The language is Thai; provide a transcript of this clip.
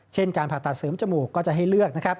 เช่นการผ่าตัดเสริมจมูกก็จะให้เลือก